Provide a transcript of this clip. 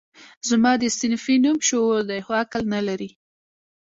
زما ده صنفي نوم شعور دی خو عقل نه لري